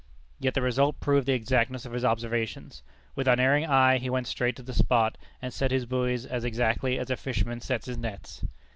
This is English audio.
Yet the result proved the exactness of his observations. With unerring eye he went straight to the spot, and set his buoys as exactly as a fisherman sets his nets.